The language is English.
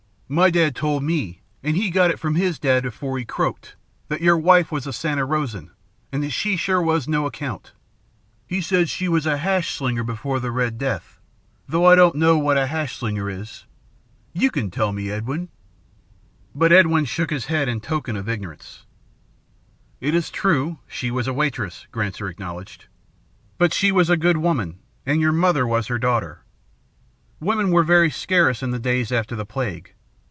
"My dad told me, an' he got it from his dad afore he croaked, that your wife was a Santa Rosan, an' that she was sure no account. He said she was a hash slinger before the Red Death, though I don't know what a hash slinger is. You can tell me, Edwin." But Edwin shook his head in token of ignorance. "It is true, she was a waitress," Granser acknowledged. "But she was a good woman, and your mother was her daughter. Women were very scarce in the days after the Plague.